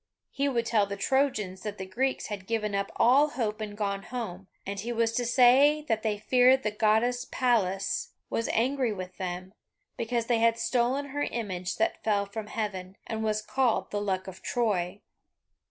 He would tell the Trojans that the Greeks had given up all hope and gone home, and he was to say that they feared the Goddess Pallas was angry with them, because they had stolen her image that fell from heaven, and was called the Luck of Troy.